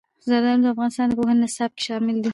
زردالو د افغانستان د پوهنې نصاب کې شامل دي.